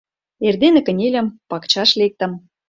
Эрдене кынельым, пакчаш лектым